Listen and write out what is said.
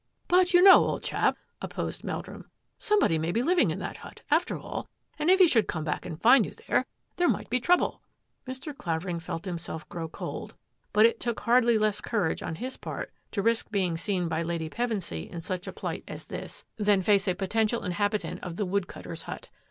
" But you know, old chap," opposed Meldrum, " somebody may be living in that hut, after all, and if he should come back and find you there, there might be trouble." Mr. Clavering felt himself grow cold, but it took hardly less courage on his part to risk being seen by Lady Pevensy in such a plight as this than to 138 THAT AFFAIR AT THE MANOR face a potential inhabitant of the woodcutter's hut.